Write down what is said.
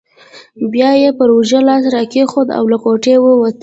بیا یې پر اوږه لاس راکښېښود او له کوټې ووت.